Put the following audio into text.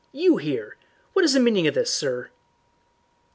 "You here! What is the meaning of this, sir?"